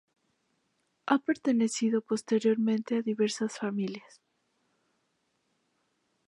Ha pertenecido posteriormente a diversas familias.